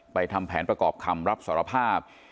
ทำแผนประกอบคำรับสารภาพ